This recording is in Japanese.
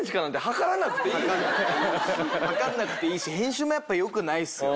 測んなくていいし編集もやっぱ良くないっすよ。